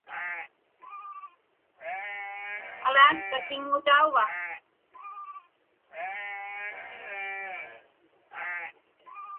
Alaska tiŋŋutauva?